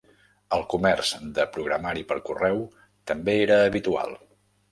El comerç de programari per correu també era habitual.